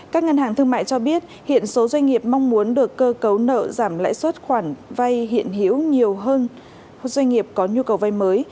các ngân hàng thương mại cho biết hiện số doanh nghiệp mong muốn được cơ cấu nợ giảm lãi suất khoản vay hiện hiểu nhiều hơn doanh nghiệp có nhu cầu vay mới